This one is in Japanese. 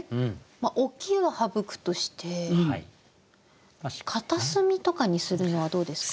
「置き」は省くとして「片隅」とかにするのはどうですか？